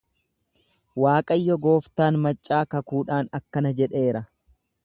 Waaqayyo gooftaan maccaa kakuudhaan akkana jedheera.